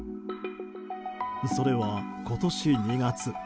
それは今年２月。